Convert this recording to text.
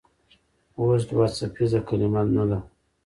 اوس دوه څپیزه کلمه نه ده.